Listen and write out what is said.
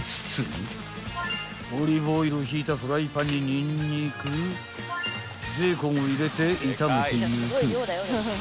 ［オリーブオイルをひいたフライパンにニンニクベーコンを入れて炒めていく］